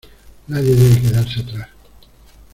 Nadie debe quedarse atrás.